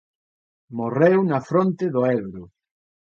Morreu na fronte do Ebro.